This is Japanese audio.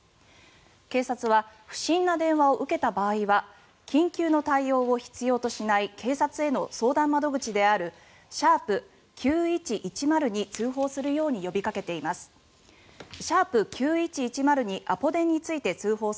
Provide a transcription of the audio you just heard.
警察は不審な電話を受けた場合は緊急の対応を必要としない警察への相談窓口である「＃９１１０」に通報するよう呼びかけています。